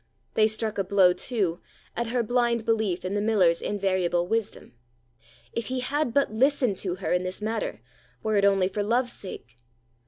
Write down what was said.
They struck a blow, too, at her blind belief in the miller's invariable wisdom. If he had but listened to her in this matter, were it only for love's sake!